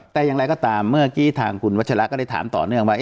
แต่อย่างไรก็ตามเมื่อกี้ทางคุณวัชระก็ได้ถามต่อเนื่องว่า